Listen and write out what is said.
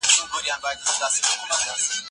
اقتصادي پریکړې د قیمتونو اغیزمنوي.